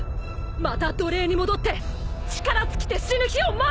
また奴隷に戻って力尽きて死ぬ日を待つのか！？